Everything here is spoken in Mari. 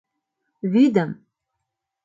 — Вӱдым!